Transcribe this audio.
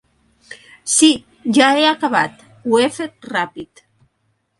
Sí, ja he acabat; ho he fet ràpid.